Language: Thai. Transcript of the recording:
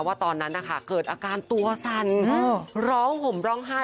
ตอนนั้นนะคะเกิดอาการตัวสั่นร้องห่มร้องไห้